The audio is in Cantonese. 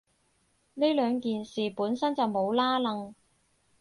呢兩件事本身就冇拏褦